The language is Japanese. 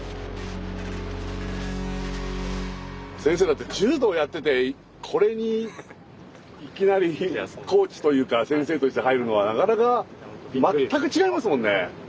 先生だって柔道やっててこれにいきなりコーチというか先生として入るのはなかなか全く違いますもんね。